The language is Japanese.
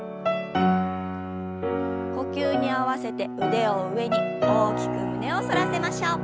呼吸に合わせて腕を上に大きく胸を反らせましょう。